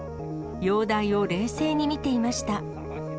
容体を冷静にみていました。